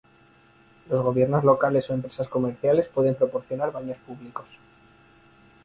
Los gobiernos locales o empresas comerciales pueden proporcionar baños públicos.